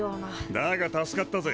だが助かったぜ。